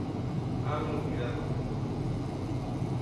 Aang los mira contento.